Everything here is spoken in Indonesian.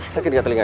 saya pergi lagi